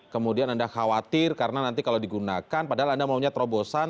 kemudian anda khawatir karena nanti kalau digunakan padahal anda maunya terobosan